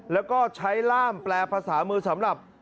แล้วก็ใช้ล่ามแปลภาษามือสำหรับ